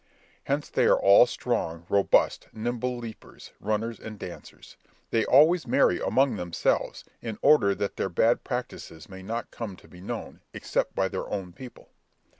Hence they are all strong, robust, nimble leapers, runners, and dancers. They always marry among themselves, in order that their bad practices may not come to be known, except by their own people.